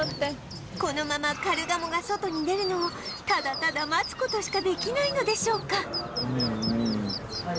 このままカルガモが外に出るのをただただ待つ事しかできないのでしょうか